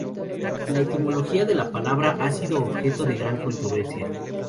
La etimología de la palabra ha sido objeto de gran controversia.